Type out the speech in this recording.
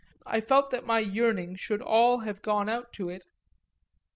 I felt that my yearning should all have gone out to it.